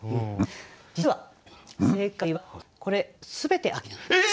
実は正解はこれ全て秋なんです。え！